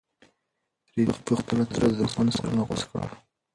رېدي په خپله توره د دښمن سرونه غوڅ کړل.